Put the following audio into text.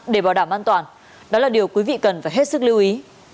để bảo đảm an toàn đó là điều quý vị cần phải hết sức lưu ý